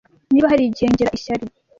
niba hari igihe ngira ishyari